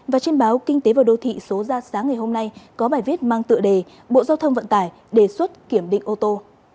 và trên báo kinh tế và đô thị số ra sáng ngày hôm nay có bài viết mang tựa đề bộ giao thông vận tải đề xuất kiểm định ô tô